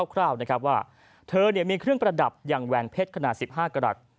คร่าวนะครับว่าเธอมีเครื่องประดับอย่างแหวนเพชรขนาด๑๕กรัฐ